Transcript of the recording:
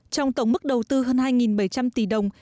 trong tổng mức đầu tư hơn hai bảy trăm linh tỷ đồng